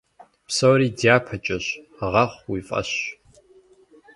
Псори дяпэкӀэщ, гъэхъу уи фӀэщ.